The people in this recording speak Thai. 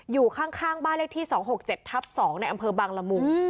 อยู่ข้างบ้านเลขที่๒๖๗ทับ๒ในอำเภอบางละมุง